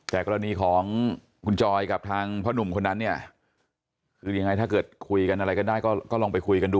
แต่กรณีของคุณจอยกับทางพ่อหนุ่มคนนั้นเนี่ยคือยังไงถ้าเกิดคุยกันอะไรกันได้ก็ลองไปคุยกันดู